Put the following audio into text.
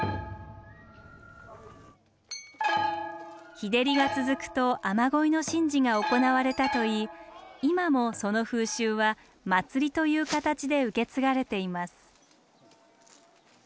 日照りが続くと雨乞いの神事が行われたといい今もその風習は祭りという形で受け継がれています。